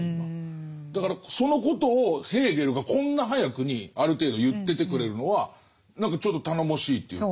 だからそのことをヘーゲルがこんな早くにある程度言っててくれるのは何かちょっと頼もしいというか。